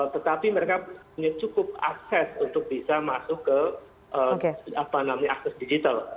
tetapi mereka punya cukup akses untuk bisa masuk ke akses digital